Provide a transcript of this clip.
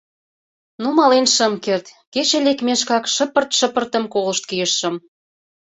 Но мален шым керт, кече лекмешкак шыпырт-шыпыртым колышт кийышым.